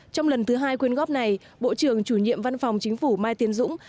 trong lần thứ hai quyên góp này bộ trưởng chủ nhiệm văn phòng chính phủ mai tiến dũng